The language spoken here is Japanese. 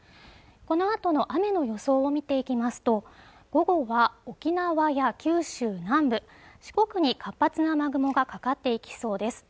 このあとの雨の予想を見ていきますと午後は沖縄や九州南部四国に活発な雨雲がかかっていきそうです